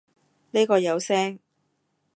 呢個有聲